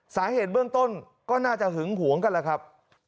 สาเหตุเบื้องต้นก็น่าจะหึงหวงกันแหละครับ